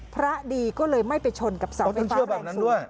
พระดีก็เลยไม่ไปชนกับเสาไฟฟ้าแบบนี้